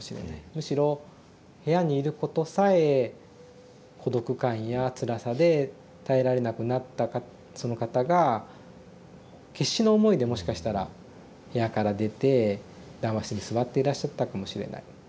むしろ部屋にいることさえ孤独感やつらさで耐えられなくなったその方が決死の思いでもしかしたら部屋から出て談話室に座っていらっしゃったかもしれない。